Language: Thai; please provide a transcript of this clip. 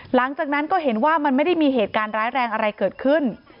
หลังจากนั้นก็เห็นว่ามันไม่ได้มีเหตุการณ์ร้ายแรงอะไรเกิดขึ้น